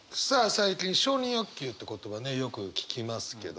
最近「承認欲求」って言葉ねよく聞きますけど。